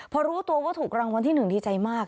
พอรู้ตัวว่าถูกรางวัลที่๑ดีใจมาก